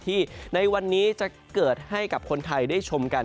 ในวันนี้จะเกิดให้กับคนไทยได้ชมกัน